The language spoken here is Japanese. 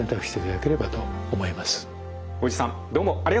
大慈弥さんどうもありがとうございました。